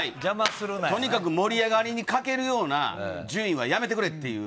とにかく盛り上がりに欠けるような順位はやめてくれっていう。